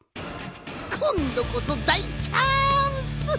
こんどこそだいチャンス！